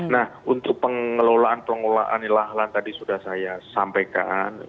nah untuk pengelolaan pengelolaan lahan lahan tadi sudah saya sampaikan